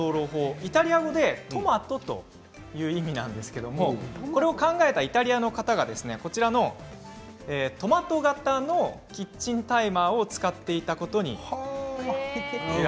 イタリア語でトマトという意味なんですけれどもこれを考えた、イタリアの方がこちらのトマト型のキッチンタイマーをかわいい。